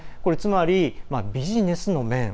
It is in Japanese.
つまり、ビジネスの面